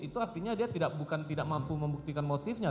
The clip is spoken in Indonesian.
itu artinya dia bukan tidak mampu membuktikan motifnya